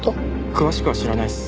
詳しくは知らないっす。